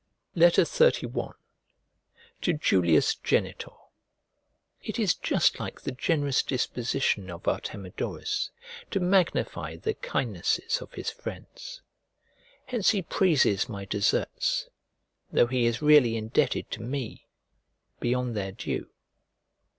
XXXI To JULIUS GENITOR IT is just like the generous disposition of Artemidorus to magnify the kindnesses of his friends; hence he praises my deserts (though he is really indebted to me) beyond their due.